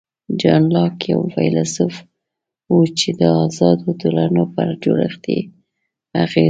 جان لاک یو فیلسوف و چې د آزادو ټولنو پر جوړښت یې اغېز وکړ.